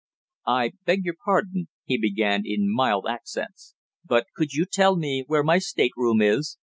"I beg your pardon," he began in mild accents, "but could you tell me where my stateroom is?"